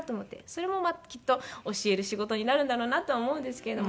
それもきっと教える仕事になるんだろうなとは思うんですけれども。